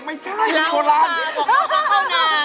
สวัสดีครับคุณหน่อย